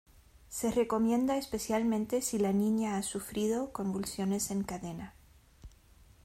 Se recomienda especialmente si la niña ha sufrido convulsiones en cadena.